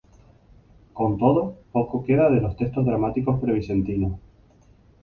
Con todo, poco queda de los textos dramáticos pre-vicentinos.